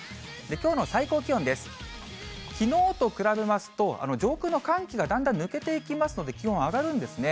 きのうと比べますと、上空の寒気がだんだん抜けていきますので、気温上がるんですね。